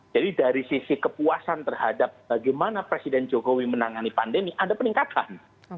jadi dari sisi kepuasan terhadap bagaimana presiden jokowi menangani pandemi ada peningkatan